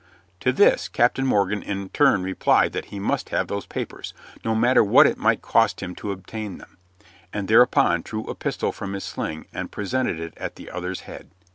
To this Captain Morgan in turn replied that he must have those papers, no matter what it might cost him to obtain them, and thereupon drew a pistol from his sling and presented it at the other's head.